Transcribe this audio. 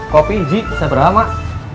kopi ji saya berapa mak